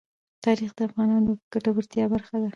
تاریخ د افغانانو د ګټورتیا برخه ده.